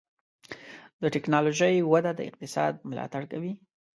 د ټکنالوجۍ وده د اقتصاد ملاتړ کوي.